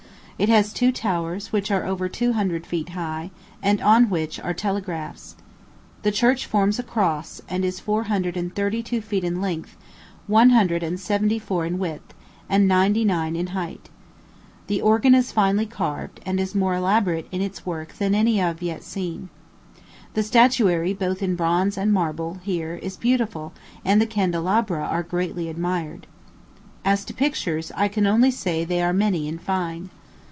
It has two towers, which are over two hundred feet high, and on which are telegraphs. The church forms a cross, and is four hundred and thirty two feet in length, one hundred and seventy four in width, and ninety nine in height. The organ is finely carved, and is more elaborate in its work than any I have seen yet. The statuary, both in bronze and marble, here, is beautiful, and the candelabra are greatly admired. As to pictures, I can only say they are many and fine.